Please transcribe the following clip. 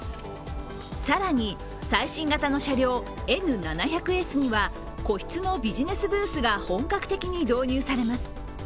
更に、最新型の車両Ｎ７００Ｓには個室のビジネスブースが本格的に導入されます。